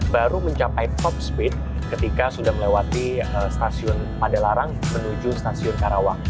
baru mencapai top speed ketika sudah melewati stasiun padalarang menuju stasiun karawang